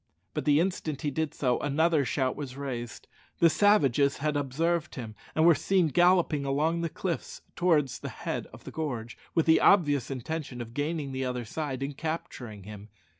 But the instant he did so another shout was raised. The savages had observed him, and were seen galloping along the cliffs towards the head of the gorge, with the obvious intention of gaining the other side and capturing him.